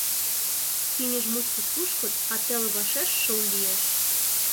Кеҥеж мучко кушкыт, а теле вашеш шыл лиеш.